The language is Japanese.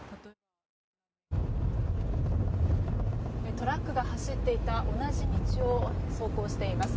トラックが走っていた同じ道を走行しています。